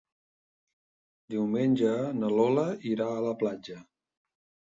Diumenge na Lola irà a la platja.